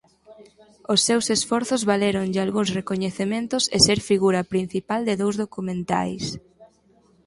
Os seus esforzos valéronlle algúns recoñecementos e ser figura principal de dous documentais.